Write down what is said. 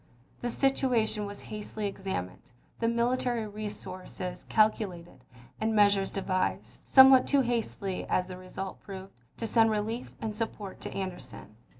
The situation was hastily examined, the military resources calcu lated, and measures devised, somewhat too hastily as the result proved, to send relief and support to Anderson.